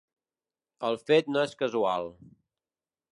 El fet no és casual.